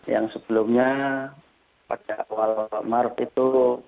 yang sebelumnya pada awal maret itu